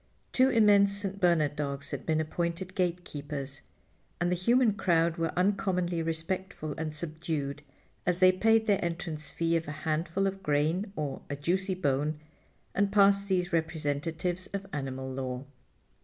Two immense St. Bernard dogs had been appointed gatekeepers, and the human crowd were uncommonly respectful and subdued as they paid their entrance fee of a handful of grain or a juicy bone and passed these representatives of animal law.